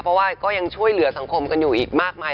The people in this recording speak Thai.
เพราะว่าก็ยังช่วยเหลือสังคมกันอยู่อีกมากมาย